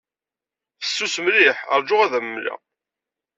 Fessus mliḥ. Ṛju ad am-mleɣ.